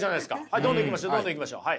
どんどんいきましょう。